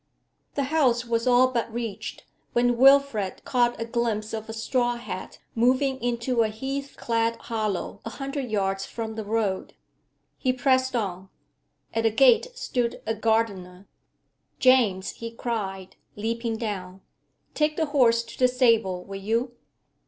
The house was all but reached, when Wilfrid caught a glimpse of a straw hat moving into a heath clad hollow a hundred yards from the road. He pressed on. At the gate stood a gardener. 'James,' he cried, leaping down, 'take the horse to the stable, will you?'